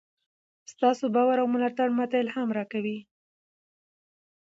ستاسو باور او ملاتړ ماته الهام راکوي.